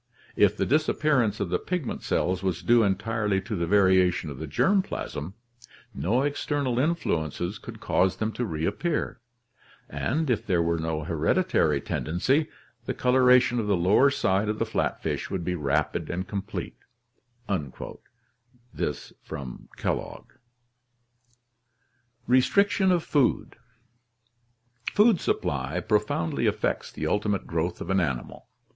If the disappearance of the pigment cells was due entirely to the variation of the germ plasm, no external influences could cause them to reappear; and if there were no hereditary tendency, the coloration of the lower side of the flatfish would be rapid and com plete'1' (Kellogg). Restriction of Food. — Food supply profoundly affects the ulti mate growth of an animal.